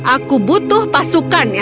aku butuh pasukannya